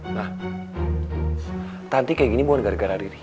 nah tanti kayak gini bukan gara gara riri